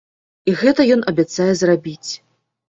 І гэта ён абяцае зрабіць.